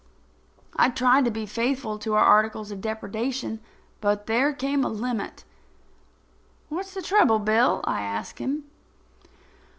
I tried to be faithful to our articles of depredation; but there came a limit." "What's the trouble, Bill?" I asks him.